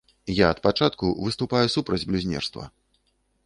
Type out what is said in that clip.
Я ад пачатку выступаю супраць блюзнерства.